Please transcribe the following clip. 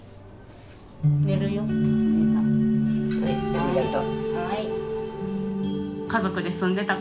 ありがとう。